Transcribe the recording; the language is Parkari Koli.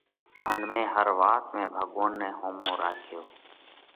ان مئين هر وات ۾ ڀڳوونَ نئہ ۿومو راکيوھ۔